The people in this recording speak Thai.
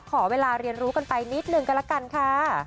ขอเวลาเรียนรู้กันไปนิดนึงกันละกันค่ะ